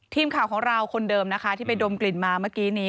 ทีมข่าวของเราคนเดิมนะคะที่ไปดมกลิ่นมาเมื่อกี้นี้